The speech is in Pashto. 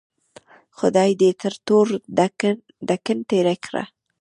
خدای دې تر تور دکن تېر کړه.